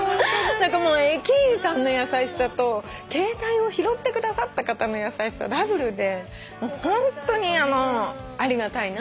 もう駅員さんの優しさと携帯を拾ってくださった方の優しさダブルでもうホントにありがたいなって。